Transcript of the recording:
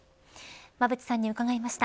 馬渕さんに伺いました。